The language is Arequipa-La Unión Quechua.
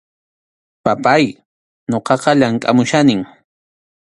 Papáy, ñuqaqa llamkʼamuchkanim.